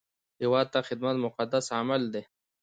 هیواد ته خدمت مقدس عمل دی